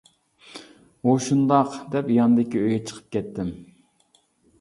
ئۇ شۇنداق دەپ ياندىكى ئۆيگە چىقىپ كەتتىم.